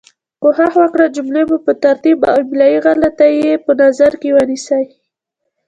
کوښښ وکړئ جملې مو په ترتیب او املایي غلطې یي په نظر کې ونیسۍ